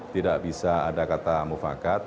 tidak bisa ada kata mufakat